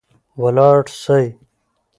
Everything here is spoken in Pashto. ولاړ سئ